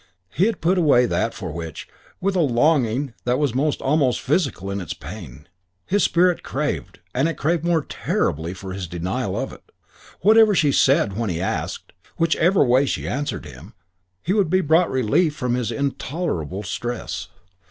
He had put away that for which, with a longing that was almost physical in its pain, his spirit craved; and craved the more terribly for his denial of it. Whatever she said when he asked, whichever way she answered him, he would be brought relief from his intolerable stress.